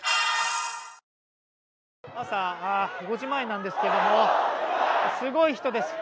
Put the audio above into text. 朝５時前なんですけどもすごい人です。